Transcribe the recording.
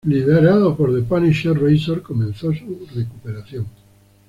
Liderado por The Punisher, Razor comenzó su recuperación.